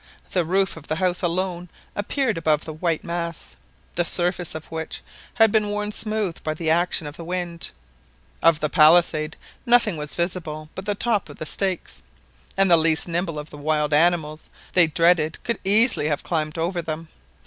The roof of the house alone appeared above the white mass, the surface of which had been worn smooth by the action of the wind; of the palisade nothing was visible but the top of the stakes, and the least nimble of the wild animals they dreaded could easily have climbed over them.